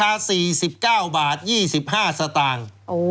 ๔๙บาท๒๕สตางค์